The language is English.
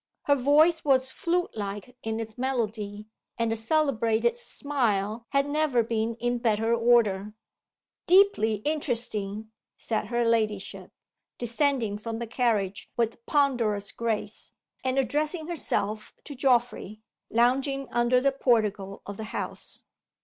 Her voice was flute like in its melody, and the celebrated "smile" had never been in better order. "Deeply interesting!" said her ladyship, descending from the carriage with ponderous grace, and addressing herself to Geoffrey, lounging under the portico of the house.